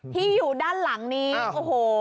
ที่อยู่ด้านหลังนี้โอ้โห